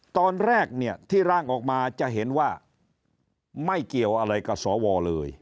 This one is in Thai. ตอนแรกเนี่ยที่ร่างออกมาจะเห็นว่าไม่เกี่ยวอะไรกับสวเลย